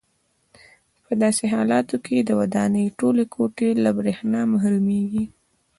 په داسې حالاتو کې د ودانۍ ټولې کوټې له برېښنا محرومېږي.